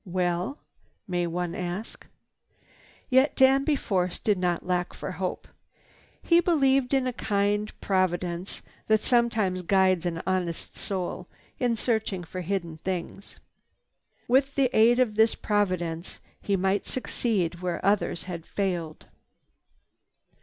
Well may one ask. Yet Danby Force did not lack for hope. He believed in a kind Providence that sometimes guides an honest soul in its search for hidden things. With the aid of this Providence he might succeed where others had failed.